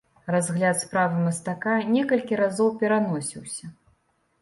Разгляд справы мастака некалькі разоў пераносіўся.